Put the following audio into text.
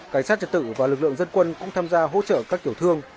cảnh sát trật tự và lực lượng dân quân cũng tham gia hỗ trợ các tiểu thương